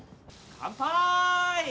乾杯！